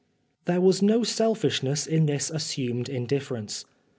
THERE was no selfishness in this assumed indifference.